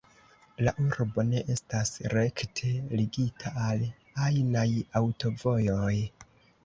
La urbo ne estas rekte ligita al ajnaj aŭtovojoj.